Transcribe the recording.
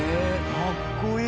かっこいい。